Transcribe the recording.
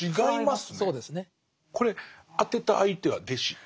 これ宛てた相手は弟子？